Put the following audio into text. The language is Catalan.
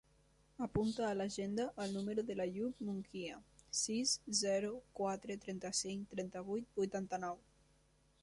Apunta a l'agenda el número de l'Àyoub Munguia: sis, zero, quatre, trenta-cinc, trenta-vuit, vuitanta-nou.